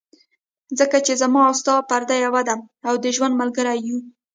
ځکه چې زما او ستا پرده یوه ده، او د ژوند ملګري یو.